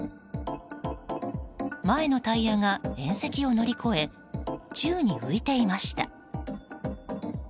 前のタイヤが縁石を乗り越え宙に浮いていました。